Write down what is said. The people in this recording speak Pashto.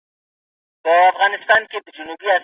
اسلام جنس نه محدودوي.